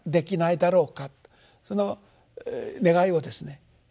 その願いをですね